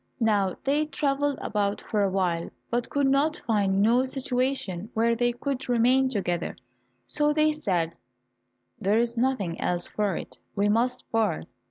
Now they travelled about for a while, but could find no situations where they could remain together, so they said, "There is nothing else for it, we must part."